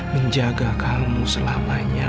menjaga kamu selamanya